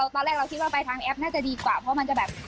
ตอนแรกเราคิดว่าไปทางแอปน่าจะดีกว่าเพราะมันจะแบบ